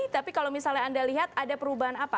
tapi kalau misalnya anda lihat ada perubahan apa